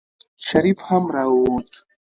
شريف هم راووت.